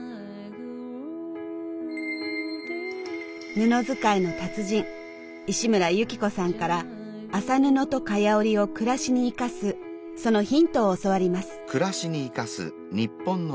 布使いの達人石村由起子さんから麻布と蚊帳織を暮らしにいかすそのヒントを教わります。